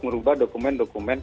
mengubah dokumen dokumen lainnya